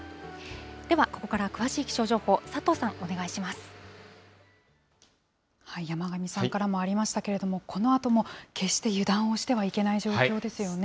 では、ここから詳しい気象情報、山神さんからもありましたけれども、このあとも決して油断をしてはいけない状況ですよね。